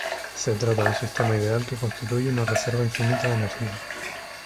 Se trata de un sistema ideal que constituye una reserva infinita de energía.